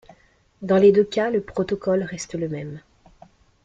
Dans les deux cas le protocole reste le même.